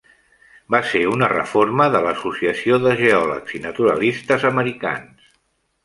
Va ser una reforma de l'Associació de Geòlegs i Naturalistes Americans.